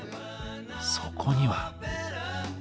そこには。